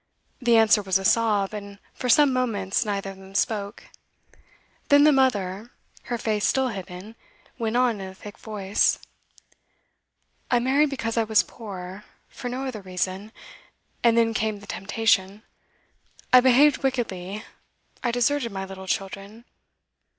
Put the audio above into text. The answer was a sob, and for some moments neither of them spoke. Then the mother, her face still hidden, went on in a thick voice: 'I married because I was poor for no other reason and then came the temptation. I behaved wickedly, I deserted my little children.